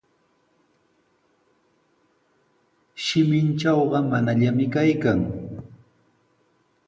"Shimintrawqa ""manallami"" kaykan."